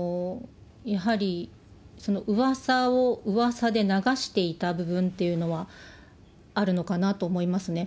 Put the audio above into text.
やはりうわさをうわさで流していた部分っていうのは、あるのかなと思いますね。